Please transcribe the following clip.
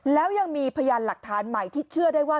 แล้วยังมีพยานหลักฐานใหม่ที่เชื่อได้ว่า